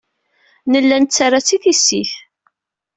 Nella nettarra-tt i tissit.